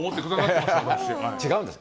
違うんです。